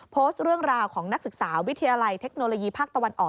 โพสต์เรื่องราวของนักศึกษาวิทยาลัยเทคโนโลยีภาคตะวันออก